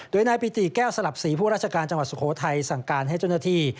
โดยนายปิติแก้วสลัดภาพสีผู้รัชกาลจังหวัดสุโขทัยสั่งการให้จนณาที